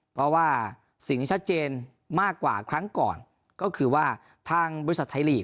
เพราะว่าสิ่งที่ชัดเจนมากกว่าครั้งก่อนก็คือว่าทางบริษัทไทยลีก